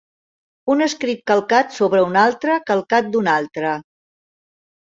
Un escrit calcat sobre un altre, calcat d'un altre.